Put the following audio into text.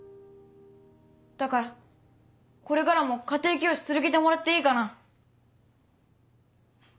だからこれからも家庭教師続けてもらっていいかな？